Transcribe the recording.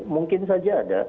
mungkin saja ada